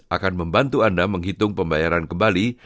akan membantu anda menghitung pembayaran kembali